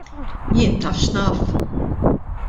Jien taf x'naf?!